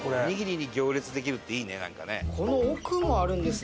いいね！